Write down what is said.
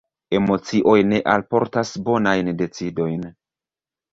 Emocioj ne alportas bonajn decidojn.